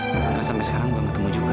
karena sampai sekarang gak ketemu juga